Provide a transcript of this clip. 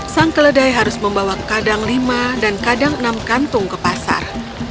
sang keledai harus membawa kadang lima dan kadang enam kantung ke pasar